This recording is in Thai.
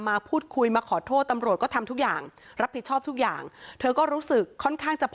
มาพูดคุยมาขอโทษตำรวจก็ทำทุกอย่างรับผิดชอบทุกอย่างเธอก็รู้สึกค่อนข้างจะพอ